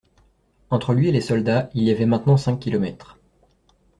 Entre lui et les soldats il y avait maintenant cinq kilomètres.